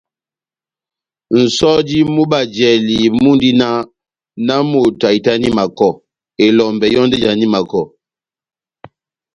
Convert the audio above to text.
Nʼsɔjo mú bajlali mundi náh : nahámoto ahitani makɔ, elɔmbɛ yɔ́ndi éjani makɔ.